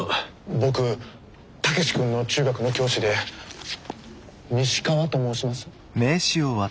僕武志君の中学の教師で西川と申します。